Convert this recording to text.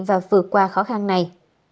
và vượt qua khó khăn này